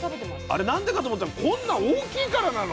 あれ何でかと思ったらこんな大きいからなの？